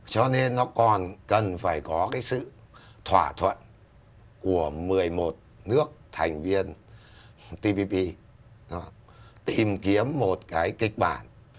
cho nên nó còn cần phải có cái sự thỏa thuận của một mươi một nước thành viên tpp tìm kiếm một cái kịch bản